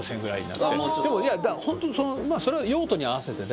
でもいやほんとにそれは用途に合わせてで。